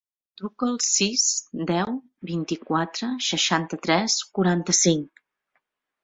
Truca al sis, deu, vint-i-quatre, seixanta-tres, quaranta-cinc.